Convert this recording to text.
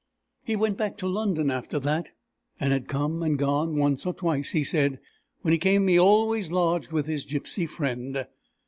He went back to London after that, and had come and gone once or twice, he said. When he came he always lodged with his gypsy friend.